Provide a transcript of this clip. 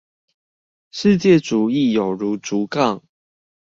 世界主義有如竹槓